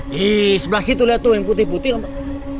di sebelah situ lihat tuh yang putih putih lompat